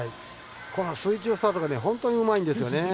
この水中スタートが本当にうまいんですよね。